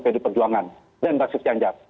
pd perjuangan dan basis ganjar